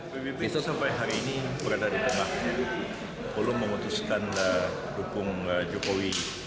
pbb itu sampai hari ini berada di tengah belum memutuskan dukung jokowi